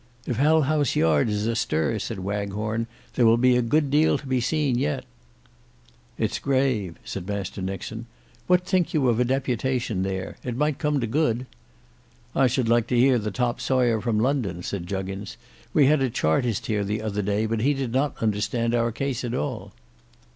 "If Hell house yard is astir," said Waghorn, "there will be a good deal to be seen yet." "It's grave," said Master Nixon. "What think you of a deputation there? It might come to good." "I should like to hear the top sawyer from London," said Juggins. "We had a Chartist here the other day, but he did not understand our case at all."